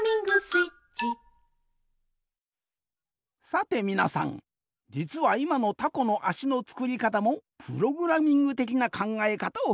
さてみなさんじつはいまのタコのあしのつくりかたもプログラミングてきなかんがえかたをふくんでおる。